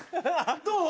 どう？